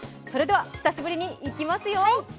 それでは久しぶりにいきますよ。